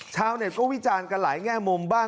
ชาวเน็ตก็วิจารณ์กันหลายแง่มุมบ้าง